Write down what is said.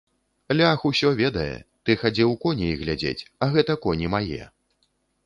Лях усё ведае, ты хадзіў коней глядзець, а гэта коні мае.